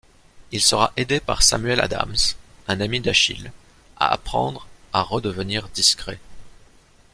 Il sera aidé par Samuel Adams, un ami d'Achilles, à apprendre à redevenir discret.